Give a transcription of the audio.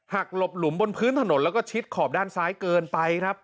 หลบหลุมบนพื้นถนนแล้วก็ชิดขอบด้านซ้ายเกินไปครับ